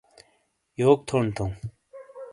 یوک تھونڈ تھَوں!